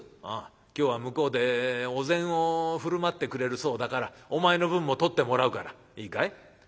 「ああ今日は向こうでお膳を振る舞ってくれるそうだからお前の分も取ってもらうからいいかい？